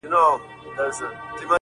سړه اوبه د کرنې لپاره ښې دي.